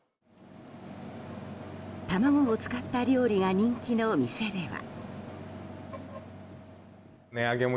卵を使った料理が人気の店では。